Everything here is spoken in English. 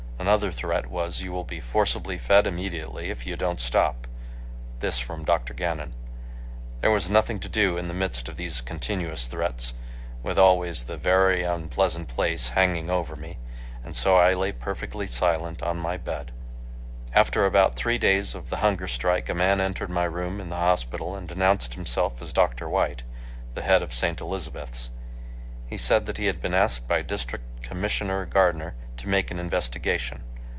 Another threat was "You will be forcibly fed immediately if you don't stop"—this from Dr. Gannon. There was nothing to do in the midst of these continuous threats, with always the "very unpleasant place" hanging over me, and so I lay perfectly silent on my bed. After about three days of the hunger strike a man entered my room in the hospital and announced himself as Dr. White, the head of St. Elizabeth's. He said that he had been asked by District Commissioner Gardner to make an investigation.